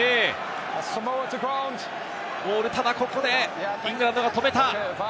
ただここでイングランドが止めた。